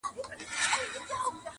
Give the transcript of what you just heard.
چي هر يو به سو راستون له خياطانو!.